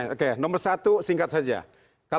oke nomor satu singkat saja